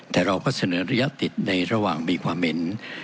แต่เราก็เสนอระยะติดในระหว่างมีความเห็น